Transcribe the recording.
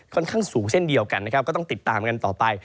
ค่อนข้างสูงเช่นเดียวกันนะครับก็ต้องติดตามกันต่อไป